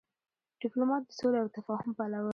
ډيپلومات د سولي او تفاهم پلوی دی.